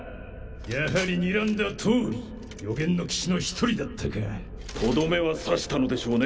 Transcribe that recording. やはりにらんだとおり予言の騎士の一人だったかとどめは刺したのでしょうね？